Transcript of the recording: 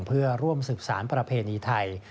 เพื่อร่วมสืบสารประเพณีไทย